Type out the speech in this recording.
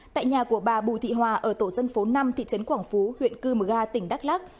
tại nhà của bà bùi thị hòa ở tổ dân phố năm thị trấn quảng phú huyện cư mờ ga tỉnh đắk lắc